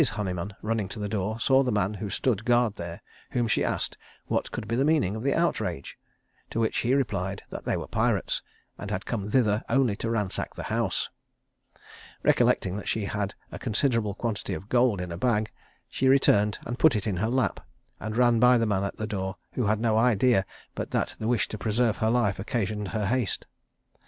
Honeyman, running to the door, saw the man who stood guard there, whom she asked what could be the meaning of the outrage; to which he replied, that they were pirates, and had come thither only to ransack the house. Recollecting that she had a considerable quantity of gold in a bag, she returned and put it in her lap, and ran by the man at the door, who had no idea but that the wish to preserve her life occasioned her haste.